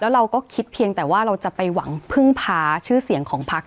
เราก็คิดเพียงแต่ว่าเราจะไปหวังพึ่งพาชื่อเสียงของพัก